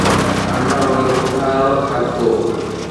আমরা অন্য কোথাও থাকবো।